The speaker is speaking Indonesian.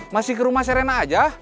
masih ke rumah serena aja